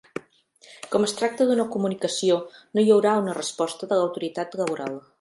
Com es tracta d'una comunicació no hi haurà una resposta de l'Autoritat Laboral.